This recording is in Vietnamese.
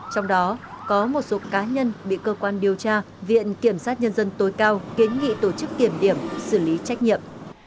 trong đó có một số cá nhân bị cơ quan điều tra viện kiểm sát nhân dân tối cao kiến nghị tổ chức kiểm điểm xử lý trách nhiệm